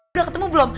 udah ketemu belum